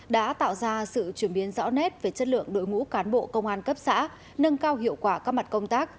đã tạo ra sự chuyển biến rõ nét về chất lượng đội ngũ cán bộ công an cấp xã nâng cao hiệu quả các mặt công tác